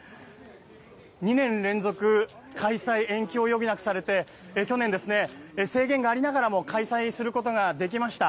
２年連続開催延期を余儀なくされて去年、制限がありながらも開催することができました。